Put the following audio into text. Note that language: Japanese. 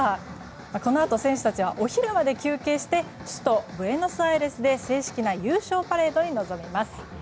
このあと、選手たちはお昼まで休憩して首都ブエノスアイレスで正式な優勝パレードに臨みます。